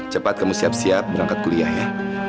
cepat kamu siap siap berangkat kuliah ya